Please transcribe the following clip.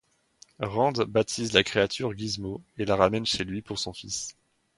Rand baptise la créature Gizmo et la ramène chez lui pour son fils.